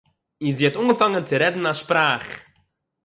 און זי האָט אָנגעפאַנגען צו רעדן אַ שפּראַך